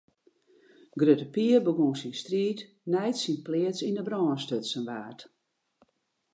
Grutte Pier begûn syn striid nei't syn pleats yn 'e brân stutsen waard.